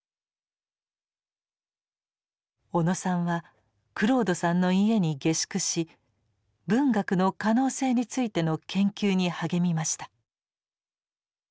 小野さんはクロードさんの家に下宿し文学の可能性についての研究に励みました。